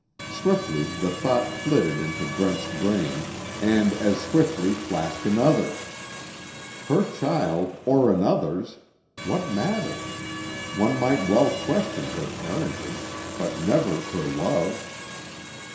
Swiftly the thought flitted into Brent's brain, and as swiftly flashed another. Her child, or another's what matter? One might well question her parentage but never her love.